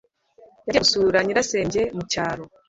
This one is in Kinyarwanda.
Yagiye gusura nyirasenge mu cyaro